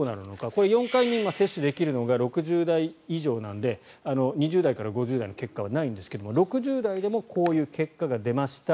これ、４回目、今接種できるのが６０代以上なので２０代から５０代の結果はないんですが６０代でもこういう結果が出ました。